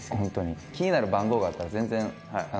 気になる番号があったら全然言っちゃって。